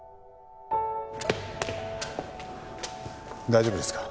大丈夫ですか？